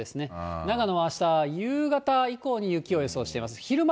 長野はあした夕方以降に雪を予想しています。